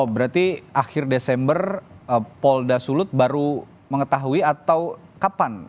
berarti akhir desember polda sulut baru mengetahui atau kapan